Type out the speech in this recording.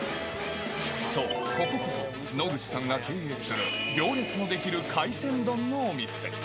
そう、こここそ、野口さんが経営する行列のできる海鮮丼のお店。